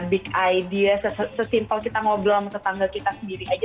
big idea sesimpel kita ngobrol sama tetangga kita sendiri aja